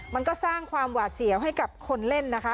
มันก็สร้างความหวาดเสียวให้กับคนเล่นนะคะ